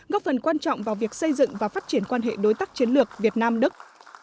góp phần quan trọng vào việc xây dựng và phát triển quan hệ đối tác chiến lược việt nam đức